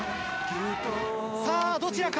さあどちらか？